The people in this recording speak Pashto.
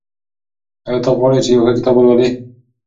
آیا ته غواړې چې یو ښه کتاب ولولې؟